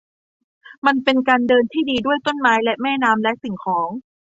มันเป็นการเดินที่ดีด้วยต้นไม้และแม่น้ำและสิ่งของ